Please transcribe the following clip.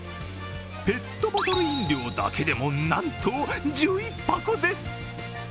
ペットボトル飲料だけでもなんと１１箱です。